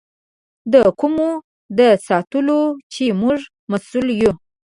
د کومو د ساتلو چې موږ مسؤل یو.